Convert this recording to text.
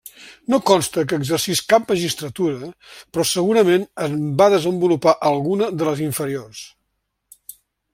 No consta que exercís cap magistratura però segurament en va desenvolupar alguna de les inferiors.